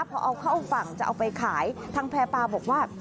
พอเอาเข้าฝั่งจะเอาไปขายทางแพร่ปลาบอกว่า